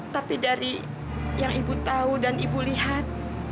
tapi dari yang ibu tahu dan ibu lihat